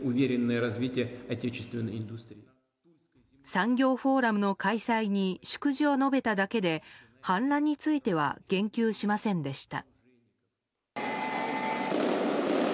産業フォーラムの開催に祝辞を述べただけで反乱については言及しませんでした。